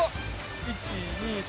１・２・３。